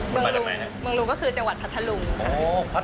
เมืองลุงก็คือจังหวัดพัทธลุงครับ